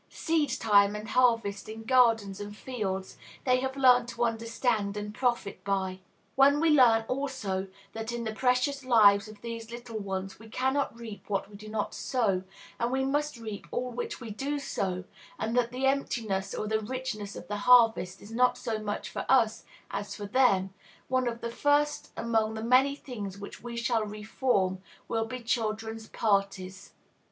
Seed time and harvest in gardens and fields they have learned to understand and profit by. When we learn, also, that in the precious lives of these little ones we cannot reap what we do not sow, and we must reap all which we do sow, and that the emptiness or the richness of the harvest is not so much for us as for them, one of the first among the many things which we shall reform will be "children's parties."